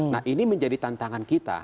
nah ini menjadi tantangan kita